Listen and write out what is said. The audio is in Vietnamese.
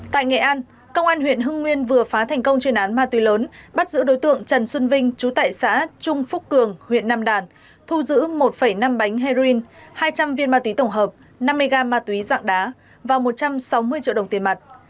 tại nghệ an công an huyện hưng nguyên vừa phá thành công chuyên án ma túy lớn bắt giữ đối tượng trần xuân vinh chú tại xã trung phúc cường huyện nam đàn thu giữ một năm bánh heroin hai trăm linh viên ma túy tổng hợp năm mươi gram ma túy dạng đá và một trăm sáu mươi triệu đồng tiền mặt